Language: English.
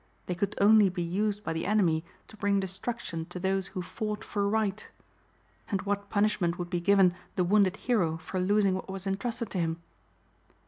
They could only be used by the enemy to bring destruction to those who fought for right. And what punishment would be given the wounded hero for losing what was entrusted to him?